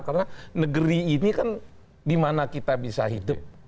karena negeri ini kan dimana kita bisa hidup